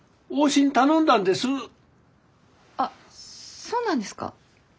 あっそうなんですか。